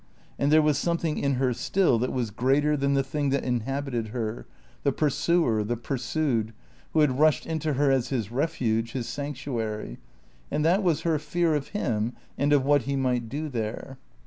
And there was something in her still that was greater than the thing that inhabited her, the pursuer, the pursued, who had rushed into her as his refuge, his sanctuary; and that was her fear of him and of what he might do there.